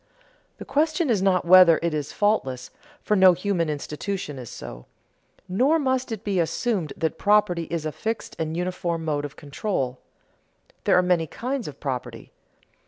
The question is not whether it is faultless, for no human institution is so. Nor must it be assumed that property is a fixed and uniform mode of control; there are many kinds of property.